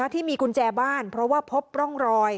ที่มีกุญแจบ้านเพราะว่าพบร่องรอย